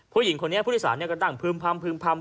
ผู้หญิงคนนี้ผู้โดยสารก็นั่งพึ่มพำพึ่ม